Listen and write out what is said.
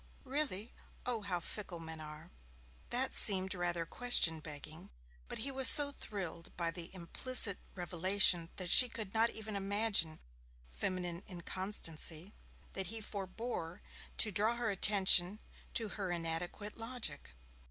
'Really? Oh, how fickle men are!' That seemed rather question begging, but he was so thrilled by the implicit revelation that she could not even imagine feminine inconstancy, that he forebore to draw her attention to her inadequate logic.